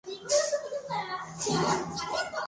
Ralph Partridge se enamoró de Frances.